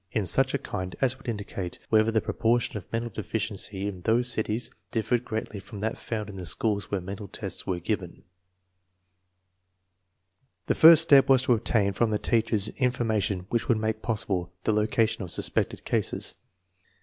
130 ESTTELUGENCE OF SCHOOL CHIIDBEN cities of the county of such a kind as would indicate whether the proportion of mental deficiency in those cities differed greatly from that found in the schools where mental tests were given. The first step was to obtain from the teachers in formation which would make possible the location of suspected cases.